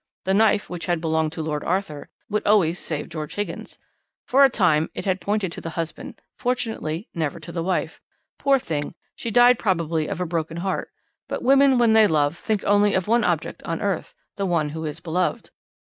The knife which had belonged to Lord Arthur would always save George Higgins. For a time it had pointed to the husband; fortunately never to the wife. Poor thing, she died probably of a broken heart, but women when they love, think only of one object on earth the one who is beloved.